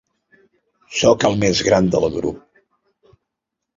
Soc el mes gran del grup.